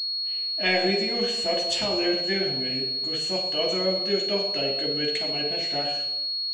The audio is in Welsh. Er iddi wrthod talu'r ddirwy, gwrthododd yr awdurdodau gymryd camau pellach.